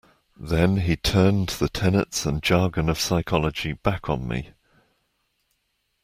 Thus he turned the tenets and jargon of psychology back on me.